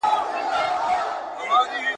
ټوله ژوند په نعمتونو کي روزلي ,